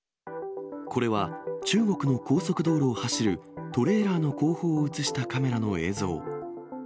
これは中国の高速道路を走るトレーラーの後方を写したカメラの映像。